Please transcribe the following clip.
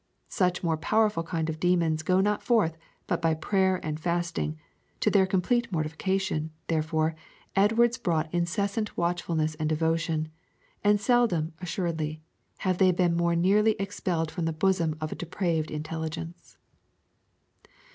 Such more powerful kind of demons go not forth but by prayer and fasting; to their complete mortification, therefore, Edwards brought incessant watchfulness and devotion; and seldom, assuredly, have they been more nearly expelled from the bosom of a depraved intelligence.'